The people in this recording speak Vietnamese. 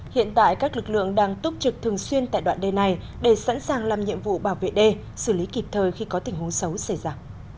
hiện tại các lực lượng đang túc trực thường xuyên tại đoạn đê này để sẵn sàng làm nhiệm vụ bảo vệ đê xử lý kịp thời khi có tình huống xấu xảy ra